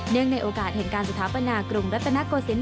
เนื่องในโอกาสเห็นการสถาปนากรุงรัฐนาโกศิลป์